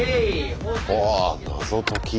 ああ謎解き